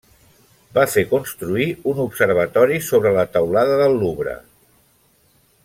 Va fer construir un observatori sobre la teulada del Louvre.